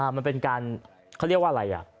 มันเป็นการเขาเรียกว่าอะไร